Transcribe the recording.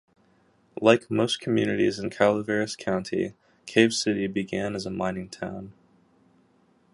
Like most communities in Calaveras County, Cave City began as a mining town.